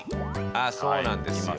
あそうなんですよ。